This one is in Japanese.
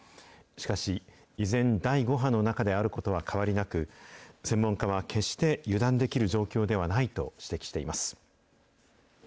しかし、依然、第５波の中であることは変わりなく、専門家は、決して油断できる状況ではないと指摘しています。